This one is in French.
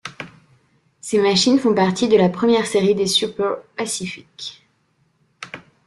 Ces machines font partie de la première série des Super pacific.